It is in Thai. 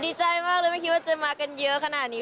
ดีใจมากเลยไม่คิดว่าจะมากันเยอะขนาดนี้